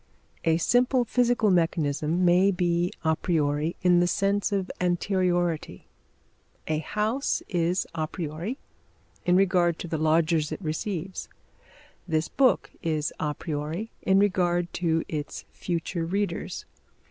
A simple physical mechanism may be a priori, in the sense of anteriority. A house is a priori, in regard to the lodgers it receives; this book is a priori, in regard to its future readers.